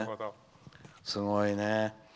すごいね。